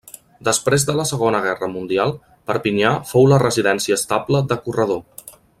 Després de la Segona Guerra Mundial, Perpinyà fou la residència estable de Corredor.